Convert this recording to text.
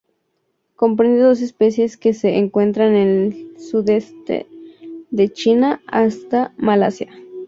Comprende dos especies que se encuentran en el sudeste de China hasta Malasia.